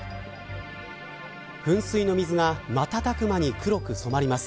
噴水の水が瞬く間に黒く染まります。